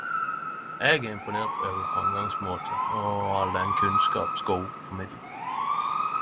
Eg er imponert over framgangsmåte og all den kunnskap Skow formidlar.